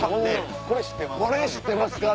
「これ知ってますか？」。